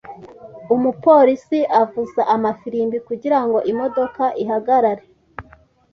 Umupolisi avuza amafirimbi kugirango imodoka ihagarare.